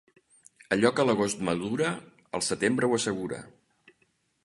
Allò que l'agost madura, el setembre ho assegura.